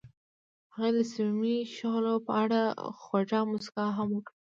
هغې د صمیمي شعله په اړه خوږه موسکا هم وکړه.